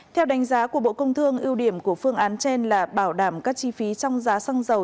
theo đánh giá của bộ công thương ưu điểm của phương án trên là bảo đảm các chi phí trong giá xăng dầu